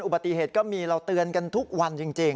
อุบัติเหตุก็มีเราเตือนกันทุกวันจริง